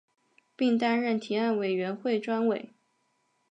并担任提案委员会专委。